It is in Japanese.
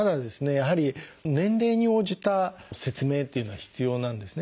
やはり年齢に応じた説明っていうのは必要なんですね。